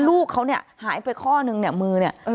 ลูกเขาหายไปข้อหนึ่งมือ